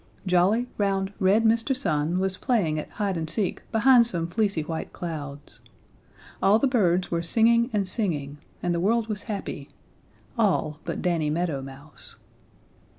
Jolly, round, red Mr. Sun was playing at hide and seek behind some fleecy white clouds. All the birds were singing and singing, and the world was happy all but Danny Meadow Mouse.